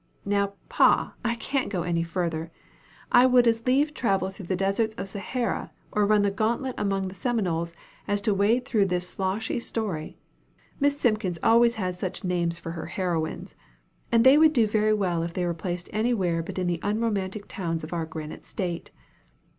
"Now, pa, I can't go any farther I would as lieve travel through the deserts of Sahara, or run the gauntlet among the Seminoles, as to wade through this sloshy story. Miss Simpkins always has such names to her heroines; and they would do very well if they were placed anywhere but in the unromantic towns of our granite State.